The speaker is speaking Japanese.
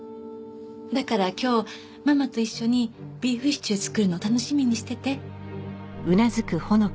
だから今日ママと一緒にビーフシチュー作るの楽しみにしてて。